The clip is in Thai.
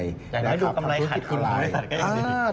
อยากให้ดูกำไรขัดของบริษัทก็ยังดี